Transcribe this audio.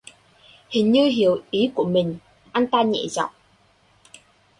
Hình như hiểu ý của mình anh ta nhẹ giọng